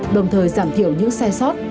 đồng thời giảm thiểu những sai sót